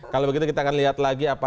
kalau begitu kita akan lihat lagi apa